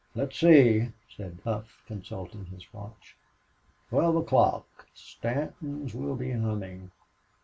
"Let's see," said Hough, consulting his watch. "Twelve o'clock! Stanton's will be humming.